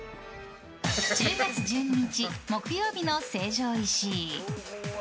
１０月１２日、木曜日の成城石井。